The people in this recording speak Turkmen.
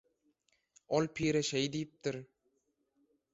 Ol pirе şеý diýipdir